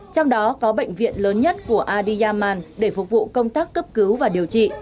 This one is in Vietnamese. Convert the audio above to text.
trong đó có bệnh viện lớn nhất của adyaman để phục vụ công tác cấp cứu và điều trị